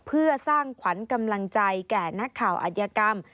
เพื่อสร้างขวัญกำลังใจแก่นักข่าวอัธยกรรม